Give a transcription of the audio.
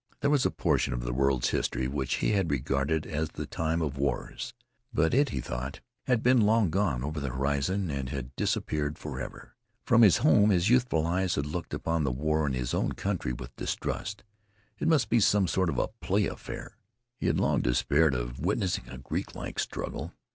There was a portion of the world's history which he had regarded as the time of wars, but it, he thought, had been long gone over the horizon and had disappeared forever. From his home his youthful eyes had looked upon the war in his own country with distrust. It must be some sort of a play affair. He had long despaired of witnessing a Greeklike struggle.